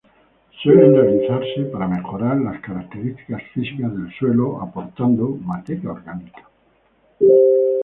Suelen realizarse para mejorar las características físicas del suelo aportando materia orgánica.